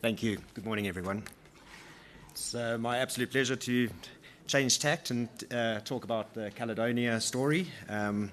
Thank you. Good morning, everyone. It's my absolute pleasure to change tack and talk about the Caledonia story. It's a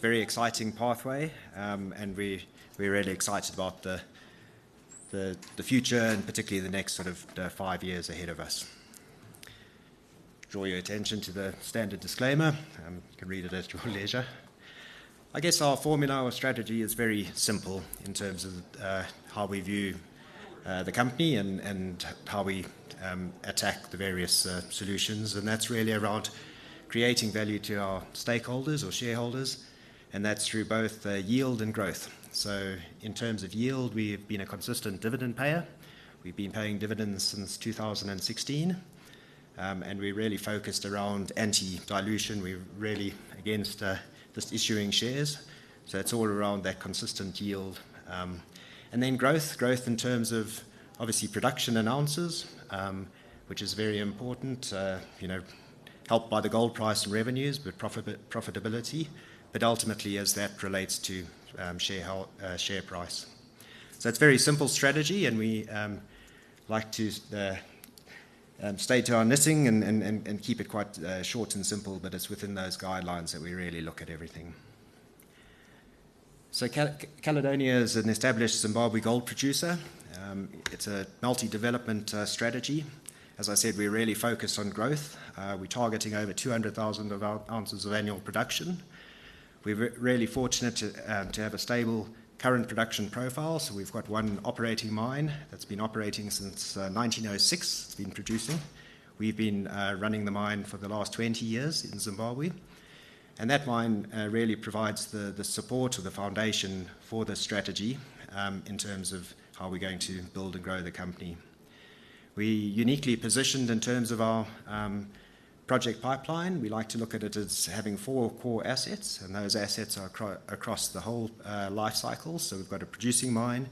very exciting pathway, and we're really excited about the future and particularly the next five years ahead of us. Draw your attention to the standard disclaimer. You can read it at your leisure. Our formula or strategy is very simple in terms of how we view the company and how we attack the various solutions. That's really around creating value to our stakeholders or shareholders, and that's through both yield and growth. In terms of yield, we've been a consistent dividend payer. We've been paying dividends since 2016, and we're really focused around anti-dilution. We're really against just issuing shares, so it's all around that consistent yield. Growth, growth in terms of obviously production in ounces, which is very important, helped by the gold price and revenues, by profitability, but ultimately as that relates to share price. It's a very simple strategy, and we like to stick to our knitting and keep it quite short and simple, but it's within those guidelines that we really look at everything. Caledonia is an established Zimbabwe gold producer. It's a multi-development strategy. As I said, we're really focused on growth. We're targeting over 200,000 oz of annual production. We're really fortunate to have a stable current production profile, so we've got one operating mine that's been operating since 1906. It's been producing. We've been running the mine for the last 20 years in Zimbabwe. That mine really provides the support or the foundation for the strategy in terms of how we're going to build and grow the company. We're uniquely positioned in terms of our project pipeline. We like to look at it as having four core assets, and those assets are across the whole life cycle. We've got a producing mine.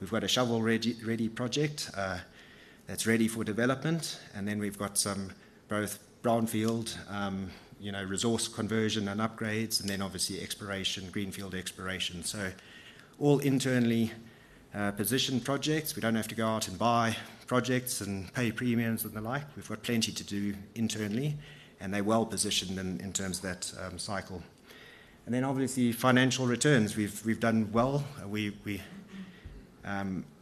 We've got a shovel-ready project that's ready for development. We've got some both brownfield resource conversion and upgrades, and then obviously greenfield exploration, so all internally positioned projects. We don't have to go out and buy projects, and pay premiums and the like. We've got plenty to do internally, and they're well positioned in terms of that cycle. Obviously, financial returns, we've done well.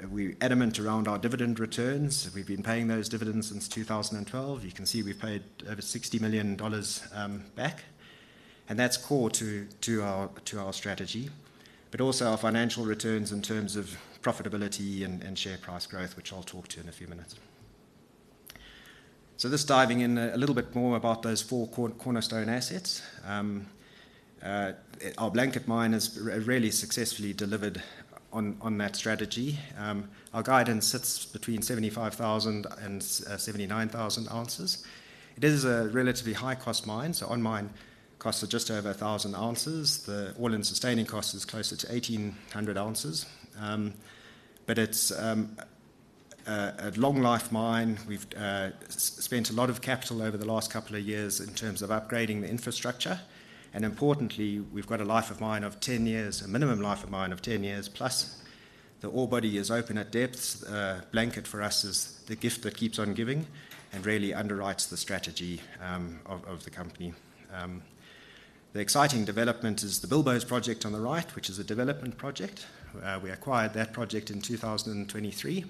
We're adamant around our dividend returns. We've been paying those dividends since 2012. You can see we've paid over $60 million back and that's core to our strategy, but also our financial returns in terms of profitability and share price growth, which I'll talk to in a few minutes. Just diving in a little bit more about those four cornerstone assets, our Blanket Mine is really successfully delivered on that strategy. Our guidance sits between 75,000 and 79,000 oz. It is a relatively high-cost mine, so our mine costs are just over 1,000 oz. The all-in sustaining cost is closer to 1,800 oz, but it's a long-life mine. We've spent a lot of capital over the last couple of years in terms of upgrading the infrastructure, and importantly, we've got a minimum life of mine of 10 years, plus the ore body is open at depth. Blanket for us is the gift that keeps on giving and really underwrites the strategy of the company. The exciting development is the Bilboes project on the right, which is a development project. We acquired that project in 2023.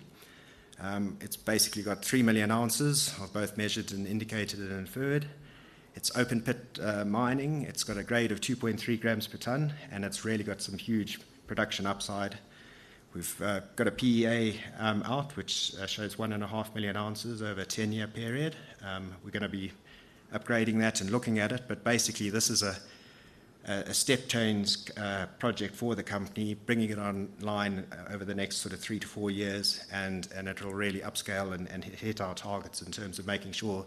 It's basically got 3 million oz of both measured and indicated and inferred. It's open-pit mining. It's got a grade of 2.3 grams per ton, and it's really got some huge production upside. We've got a PEA out, which shows 1.5 million oz over a 10-year period. We're going to be upgrading that and looking at it, but basically, this is a step-change project for the company, bringing it online over the next three to four years, and it'll really upscale and hit our targets in terms of making sure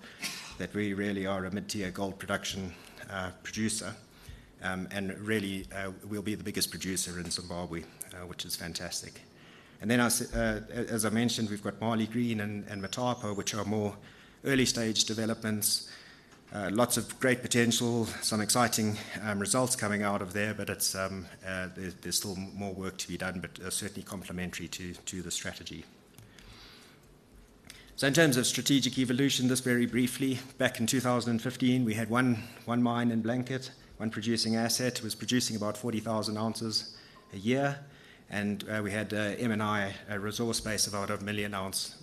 that we really are a mid-tier gold production producer and really will be the biggest producer in Zimbabwe, which is fantastic. As I mentioned, we've got Maligreen and Motapa, which are more early-stage developments, lots of great potential. Some exciting results coming out of there, but there's still more work to be done, but certainly complementary to the strategy. In terms of strategic evolution, just very briefly, back in 2015, we had one mine, Blanket. One producing asset was producing about 40,000 oz a year, and we had M&I resource base of about 1 million oz.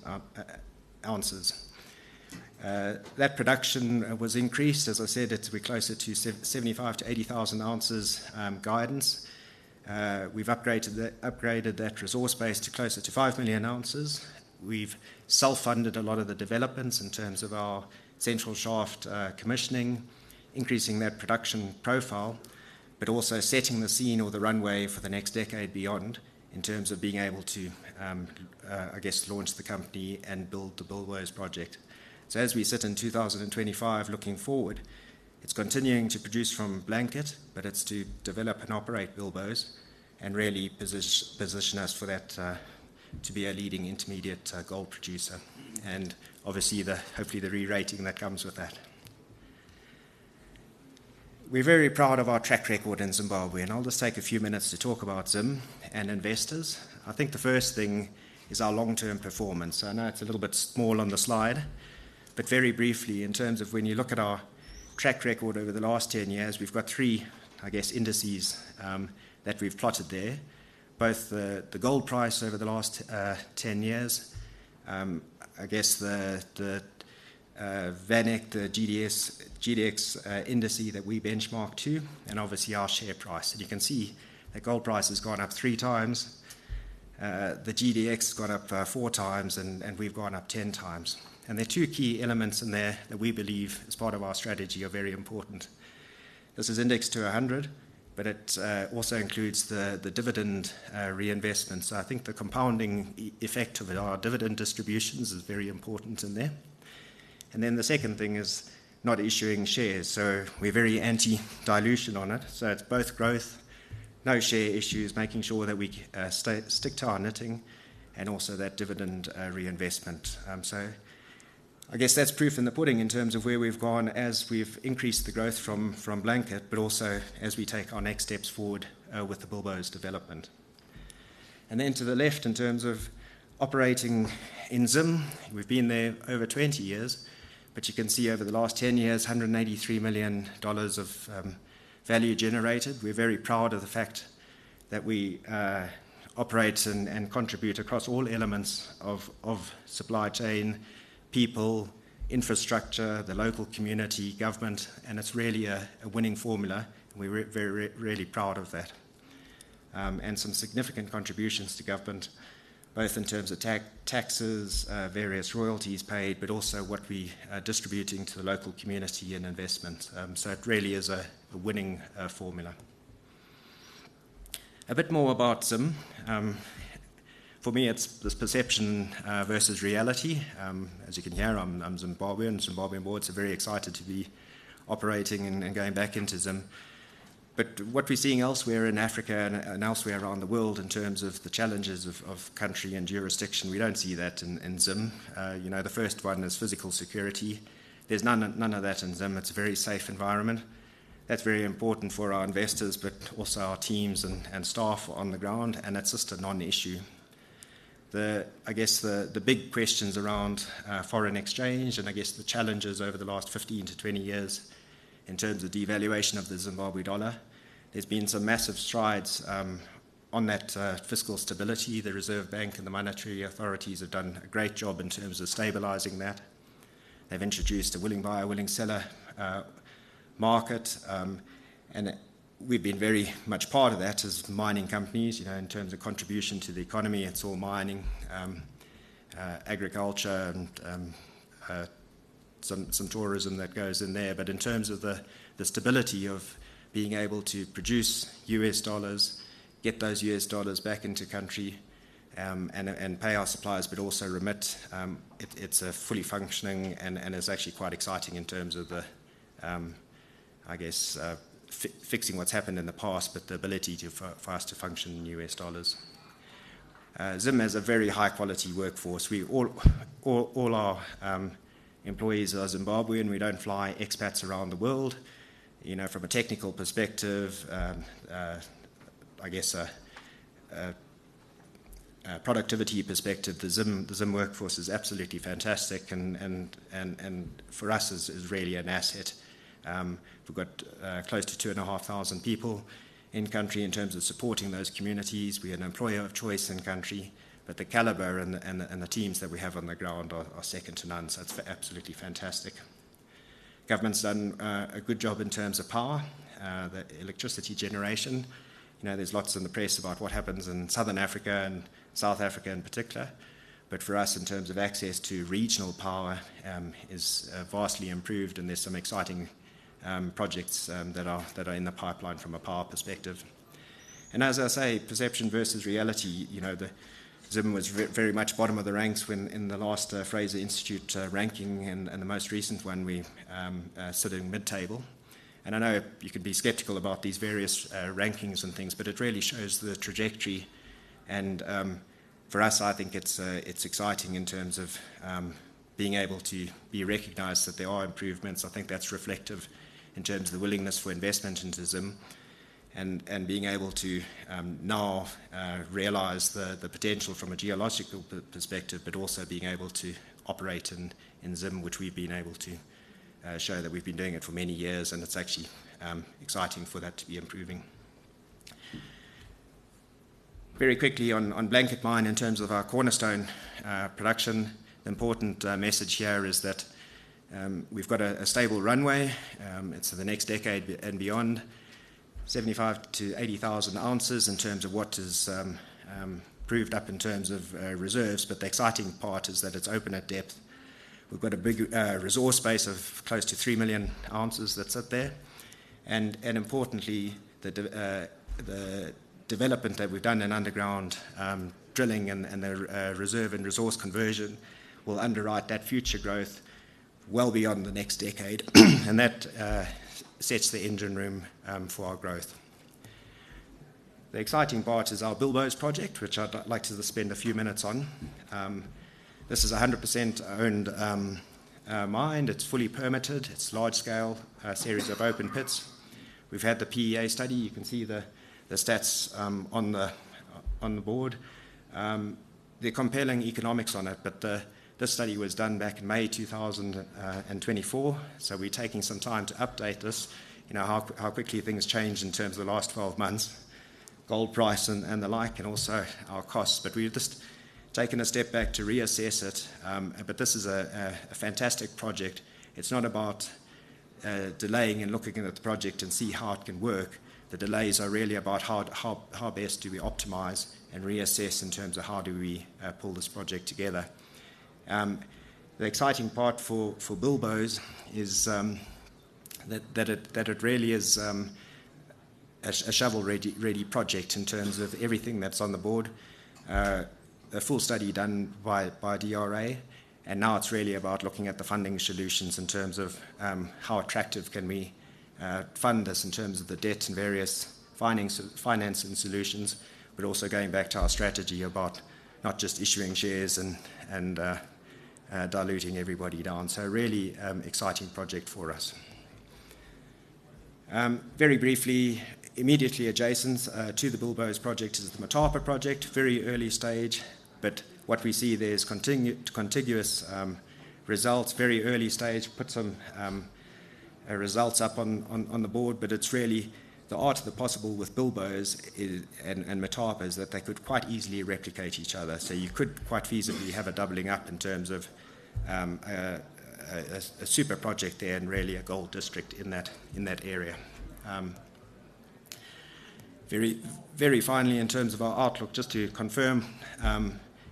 That production was increased. As I said, it's closer to 75,000-80,000 oz guidance. We've upgraded that resource base to closer to 5 million oz. We've self-funded a lot of the developments in terms of our Central Shaft commissioning, increasing that production profile, but also setting the scene or the runway for the next decade beyond in terms of being able to launch the company and build the Bilboes project. As we sit in 2025 looking forward, it's continuing to produce from Blanket, but it's to develop and operate Bilboes, and really position us for that to be a leading intermediate gold producer and obviously hopefully the re-rating that comes with that. We're very proud of our track record in Zimbabwe, and I'll just take a few minutes to talk about Zim and investors. I think the first thing is our long-term performance. I know it's a little bit small on the slide, but very briefly, in terms of when you look at our track record over the last 10 years, we've got three indices that we've plotted there, both the gold price over the last 10 years, the VanEck, the GDX index that we benchmark to and obviously our share price. You can see the gold price has gone up 3x. The GDX has gone up 4x and we've gone up 10x, and there are two key elements in there that we believe as part of our strategy are very important. This is indexed to 100, but it also includes the dividend reinvestment. I think the compounding effect of our dividend distributions is very important in there, and then the second thing is not issuing shares, so we're very anti-dilution on it. It's both growth, no share issues, making sure that we stick to our knitting and also that dividend reinvestment. That's proof in the pudding in terms of where we've gone as we've increased the growth from Blanket, but also as we take our next steps forward with the Bilboes development. To the left, in terms of operating in Zim, we've been there over 20 years, but you can see over the last 10 years, $193 million of value generated. We're very proud of the fact that we operate and contribute across all elements of supply chain, people, infrastructure, the local community, government, and it's really a winning formula and we're very proud of that. Some significant contributions to government, both in terms of taxes, various royalties paid, but also what we are distributing to the local community and investment. It really is a winning formula. A bit more about Zim. For me, it's this perception versus reality. As you can hear, I'm a Zimbabwean and Zimbabwean-born. It's very exciting to be operating and going back into Zim. What we're seeing elsewhere in Africa and elsewhere around the world in terms of the challenges of country and jurisdiction, we don't see that in Zim. The first one is physical security. There's none of that in Zim. It's a very safe environment. That's very important for our investors, but also our teams and staff on the ground, and it's just a non-issue. The big question is around foreign exchange, and the challenges over the last 15-20 years in terms of devaluation of the Zimbabwe dollar. There's been some massive strides on that fiscal stability. The Reserve Bank and the monetary authorities have done a great job in terms of stabilizing that. They've introduced a willing buyer, willing seller market and we've been very much part of that as mining companies. In terms of contribution to the economy, it's all mining, agriculture, and some tourism that goes in there. In terms of the stability of being able to produce U.S. dollars, get those U.S. dollars back into the country and pay our suppliers, but also remit, it's a fully functioning and it's actually quite exciting in terms of fixing what's happened in the past, but the ability for us to function in U.S. dollars. Zim has a very high-quality workforce. All our employees are Zimbabwean. We don't fly expats around the world. From a technical perspective, a productivity perspective, the Zim workforce is absolutely fantastic, and for us, it's really an asset. We've got close to 2,500 people in the country in terms of supporting those communities. We're an employer of choice in country, but the caliber and the teams that we have on the ground are second to none, so it's absolutely fantastic. Government's done a good job in terms of power, the electricity generation. There's lots in the press about what happens in Southern Africa and South Africa in particular, but for us, in terms of access to regional power, it's vastly improved and there's some exciting projects that are in the pipeline from a power perspective. As I say, perception versus reality, Zim was very much bottom of the ranks in the last Fraser Institute ranking. The most recent one, we're sitting mid-table. I know you could be skeptical about these various rankings and things, but it really shows the trajectory. For us, I think it's exciting in terms of being able to be recognized that there are improvements. I think that's reflective in terms of the willingness for investment into Zim, and being able to now realize the potential from a geological perspective, but also being able to operate in Zim, which we've been able to show that we've been doing it for many years and it's actually exciting for that to be improving. Very quickly on Blanket Mine in terms of our cornerstone production, the important message here is that we've got a stable runway. It's for the next decade and beyond, 75,000-80,000 oz in terms of what is proved up in terms of reserves, but the exciting part is that it's open at depth. We've got a resource base of close to 3 million oz that sit there. Importantly, the development that we've done in underground drilling and the reserve and resource conversion will underwrite that future growth well beyond the next decade, and that sets the engine room for our growth. The exciting part is our Bilboes project, which I'd like to spend a few minutes on. This is a 100% owned mine. It's fully permitted. It's a large-scale series of open pits. We've had the PEA study. You can see the stats on the board. They're compelling economics on it, but this study was done back in May 2024. We're taking some time to update this, how quickly things change in terms of the last 12 months, gold price and the like, and also our costs. We've just taken a step back to reassess it, but this is a fantastic project. It's not about delaying and looking at the project and see how it can work. The delays are really about, how best do we optimize and reassess in terms of how do we pull this project together? The exciting part for Bilboes is that it really is a shovel-ready project in terms of everything that's on the board, a full study done by DRA. Now it's really about looking at the funding solutions in terms of, how attractive can we fund this in terms of the debt and various financing solutions? Also, going back to our strategy about not just issuing shares and diluting everybody down, so really exciting project for us. Very briefly, immediately adjacent to the Bilboes project is the Motapa project. Very early stage, but what we see there is contiguous results, very early stage. Put some results up on the board, but it's really the art of the possible with Bilboes and Motapa is that they could quite easily replicate each other. You could quite feasibly have a doubling up in terms of a super project there and really a gold district in that area. Very finally, in terms of our outlook, just to confirm,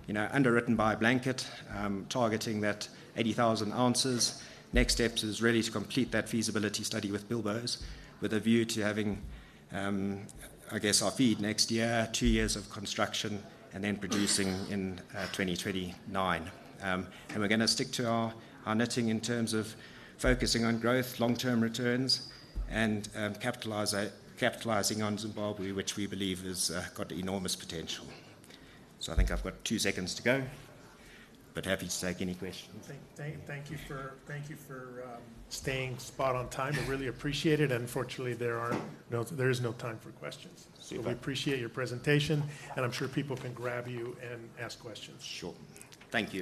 underwritten by Blanket, targeting that 80,000 oz. Next step is really to complete that feasibility study with Bilboes, with a view to having our FEED next year, two years of construction and then producing in 2029. We're going to stick to our netting in terms of focusing on growth, long-term returns, and capitalizing on Zimbabwe, which we believe has got enormous potential. I think I've got two seconds to go, but happy to take any questions. Thank you for staying spot on time. I really appreciate it. Unfortunately, there is no time for questions. Okay. We appreciate your presentation, and I'm sure people can grab you and ask questions. Sure. Thank you.